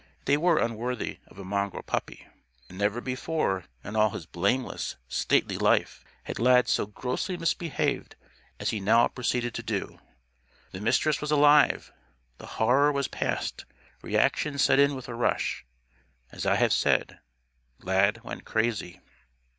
They were unworthy of a mongrel puppy. And never before in all his blameless, stately life had Lad so grossly misbehaved as he now proceeded to do. The Mistress was alive. The Horror was past. Reaction set in with a rush. As I have said, Lad went crazy.